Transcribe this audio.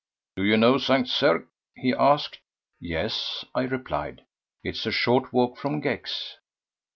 "Do you know St. Cergues?" he asked. "Yes," I replied. "It is a short walk from Gex."